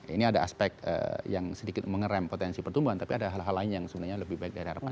ini ada aspek yang sedikit mengerem potensi pertumbuhan tapi ada hal hal lain yang sebenarnya lebih baik dari harapan